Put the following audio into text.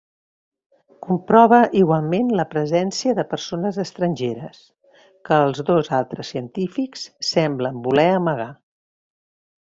Comprova igualment la presència de persones estrangeres, que els dos altres científics semblen voler amagar.